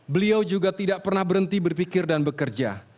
beliau juga tidak pernah berhenti berpikir dan bekerja